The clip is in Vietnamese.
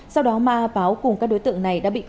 sau đó ma a páo cùng các đối tượng này đã bị phá hủy